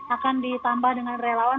akan ditambah dengan relawan